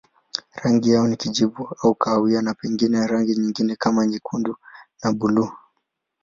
Rangi yao ni kijivu au kahawia na pengine rangi nyingine kama nyekundu na buluu.